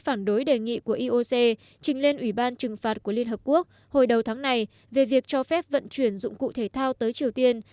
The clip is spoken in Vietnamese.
phản đối đề nghị của ioc trình lên ủy ban trừng phạt của liên hợp quốc hồi đầu tháng này về việc cho phép vận chuyển dụng cụ thể thao tới triều tiên